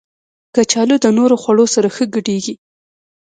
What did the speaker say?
کچالو د نورو خوړو سره ښه ګډېږي